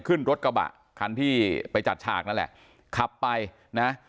ขึ้นรถกระบะคันที่ไปจัดฉากนั่นแหละขับไปนะ